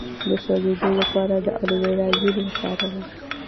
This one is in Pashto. د سوځیدو لپاره د الوویرا جیل وکاروئ